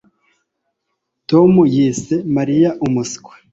Tom yise Mariya umuswa